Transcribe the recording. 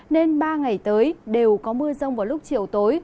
nên ba ngày tới đều có mưa rông vào lúc chiều tối